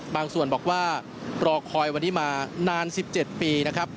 บางส่วนบอกว่ารอคอยวันนี้มานาน๑๗ปีนะครับ